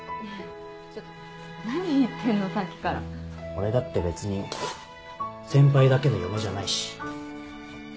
俺だって別に先輩だけの嫁じゃないし。